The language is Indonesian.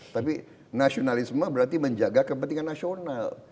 tapi nasionalisme berarti menjaga kepentingan nasional